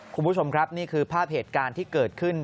คุณผู้ชมครับนี่คือภาพเหตุการณ์ที่เกิดขึ้น